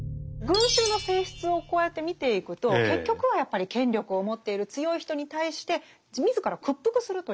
群衆の性質をこうやって見ていくと結局はやっぱり権力を持っている強い人に対して自ら屈服するという。